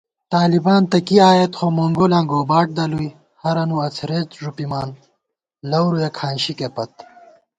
طالِبان تہ کی آئیت خو مونگولاں گوباٹ دَلُوئی * ہرَنُو اڅَھرېت ݫُپِمان لَورُیَہ کھانشِکےپت